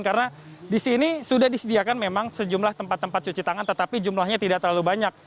karena di sini sudah disediakan memang sejumlah tempat tempat cuci tangan tetapi jumlahnya tidak terlalu banyak